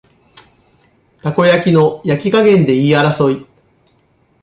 たこ焼きの焼き加減で言い争い